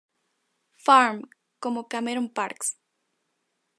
Farm" como Cameron Parks.